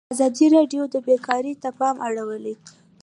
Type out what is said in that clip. ازادي راډیو د بیکاري ته پام اړولی.